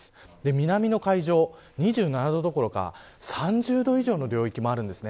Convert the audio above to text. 南の海上、２７度どころか３０度以上の領域もあります。